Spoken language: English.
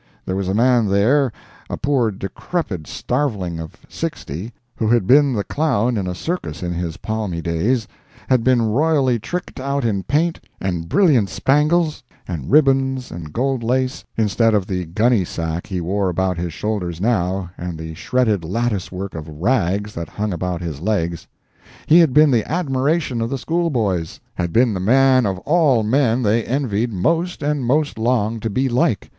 There was a man there—a poor decrepit starveling of 60—who had been the clown in a circus in his palmy days—had been royally tricked out in paint, and brilliant spangles, and ribbons and gold lace, instead of the gunny sack he wore about his shoulders now and the shredded latticework of rags that hung about his legs. He had been the admiration of the school boys; had been the man of all men they envied most and most longed to be like.